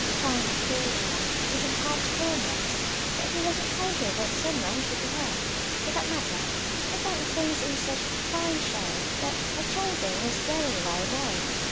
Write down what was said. "Frank, poor chap, isn't half strong yet, but he was impatient that some one should be here. For that matter, I found things in such fine shape that I told them I was going away again.